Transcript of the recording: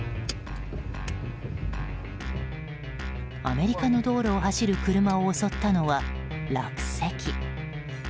アメリカの道路を走る車を襲ったのは、落石。